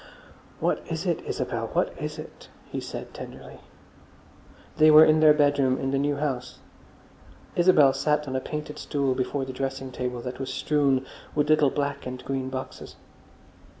"What is it, Isabel? What is it?" he said tenderly. They were in their bedroom in the new house. Isabel sat on a painted stool before the dressing table that was strewn with little black and green boxes.